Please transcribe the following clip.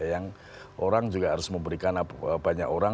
yang orang juga harus memberikan banyak orang